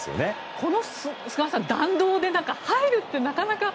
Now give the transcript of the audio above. この弾道で入るってなかなか。